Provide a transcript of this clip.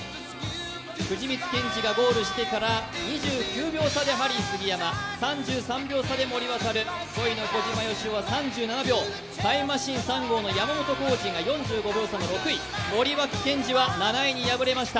藤光謙司がゴールしてから２９秒差でハリー杉山、３３秒差で森渉、５位の小島よしおは３７秒タイムマシーン３号の山本が４５秒差の６位、森脇健児は７位に敗れました。